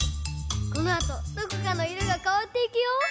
このあとどこかのいろがかわっていくよ！